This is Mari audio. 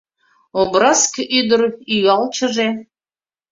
Обраск ӱдыр Ӱялчыже